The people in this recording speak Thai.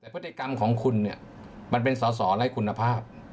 แต่พฤติกรรมของคุณเนี่ยมันเป็นสอสอไร้คุณภาพ